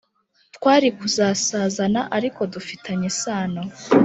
Twari kuzasazana ariko dufitanye isano